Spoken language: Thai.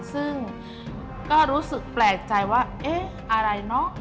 ซึ่งก็รู้สึกแปลกใจว่าเอ๊ะอะไรเนอะ